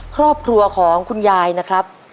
ครอบครัวของคุณยายนะครับ